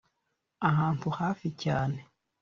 ahantu hafi cyane,